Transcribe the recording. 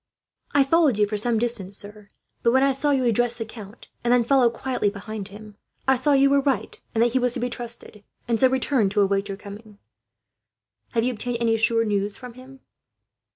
"I followed you for some distance, sir; but when I saw you address the count, and then follow quietly behind him, I saw you were right, and that he was to be trusted; and so returned to await your coming. Have you obtained any sure news from him?"